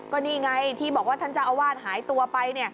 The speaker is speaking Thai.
ก็นี่ไงที่บอกว่าท่านเจ้าอาวาสหายตัวไป